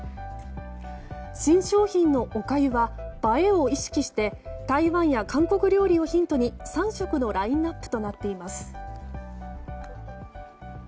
新商品のおかゆは映えを意識して台湾や韓国料理をヒントに３色のラインアップとなっています。